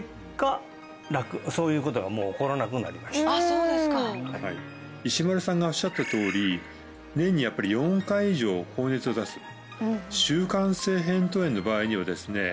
そうですかはい石丸さんがおっしゃったとおり年にやっぱり４回以上高熱を出す習慣性扁桃炎の場合にはですね